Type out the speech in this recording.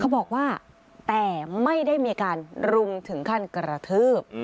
บอกว่าแต่ไม่ได้มีการรุมถึงขั้นกระทืบ